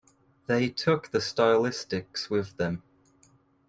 They took The Stylistics with them.